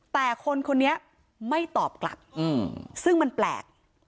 แต่คนคนนี้ไม่ตอบกลับซึ่งมันแปลก